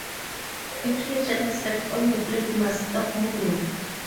A creature that steps on the plate must stop moving.